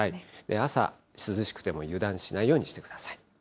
朝、涼しくても、油断しないようにしてください。